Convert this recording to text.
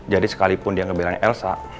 jadi sekalipun dia ngebilangnya elsa